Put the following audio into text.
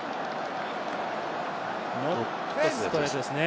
ノットストレートですね。